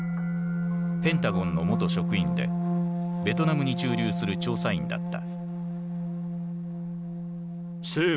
ペンタゴンの元職員でベトナムに駐留する調査員だった。